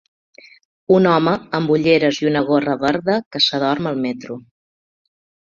Un home amb ulleres i una gorra verda que s'adorm al metro.